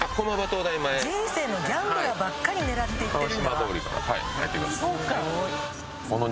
人生のギャンブラーばっかり狙っていってるんだわ。